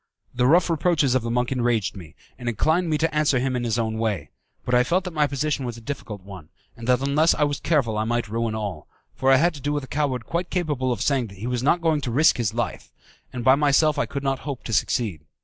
The rough reproaches of the monk enraged me, and inclined me to answer him in his own way; but I felt that my position was a difficult one, and that unless I was careful I might ruin all, for I had to do with a coward quite capable of saying that he was not going to risk his life, and by myself I could not hope to succeed.